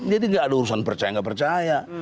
jadi nggak ada urusan percaya nggak percaya